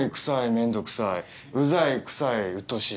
めんどくさいうざい臭いうっとうしい。